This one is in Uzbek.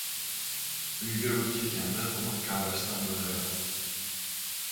• Uyga o‘t ketganda quduq kovlashdan foyda yo‘q.